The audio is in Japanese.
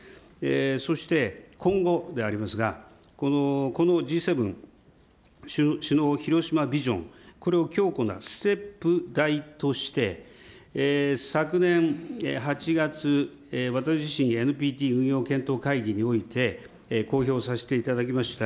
そして今後でありますが、このＧ７首脳広島ビジョン、これを強固なステップ台として、昨年８月、私自身、ＮＰＴ運用会議において、公表させていただきました